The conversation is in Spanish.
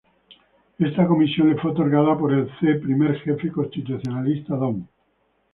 Esta comisión le fue otorgada por el C. Primer Jefe Constitucionalista Don.